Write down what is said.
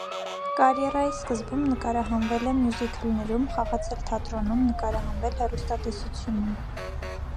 Կարիերայի սկզբում նկարահանվել է մյուզքիլներում, խաղացել թատրոնում, նկարահանվել հեռուստատեսությունում։